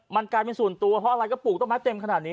มันกลายเป็นส่วนตัวเพราะอะไรก็ปลูกต้นไม้เต็มขนาดนี้